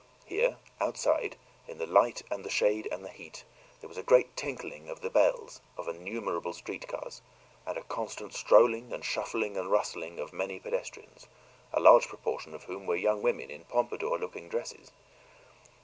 Here, outside, in the light and the shade and the heat, there was a great tinkling of the bells of innumerable streetcars, and a constant strolling and shuffling and rustling of many pedestrians, a large proportion of whom were young women in Pompadour looking dresses.